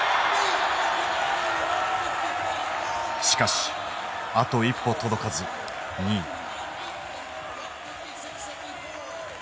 しかしあと一歩届かず２位。